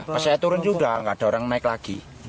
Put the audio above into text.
pas saya turun juga nggak ada orang naik lagi